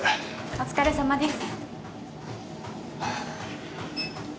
お疲れさまです。